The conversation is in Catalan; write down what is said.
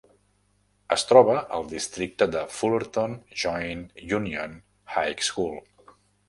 Es troba al districte de Fullerton Joint Union High School.